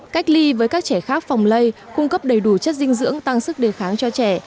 cách ly với các trẻ khác phòng lây cung cấp đầy đủ chất dinh dưỡng tăng sức đề kháng cho trẻ